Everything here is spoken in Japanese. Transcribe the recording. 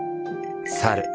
「猿」。